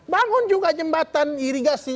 bangun juga jembatan irigasi